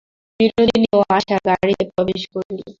বিনোদিনী ও আশা গাড়িতে প্রবেশ করিল।